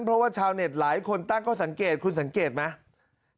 เพราะว่าชาวเน็ตหลายคนตั้งข้อสังเกตคุณสังเกตไหม